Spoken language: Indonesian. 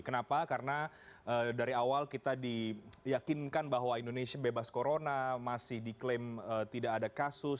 kenapa karena dari awal kita diyakinkan bahwa indonesia bebas corona masih diklaim tidak ada kasus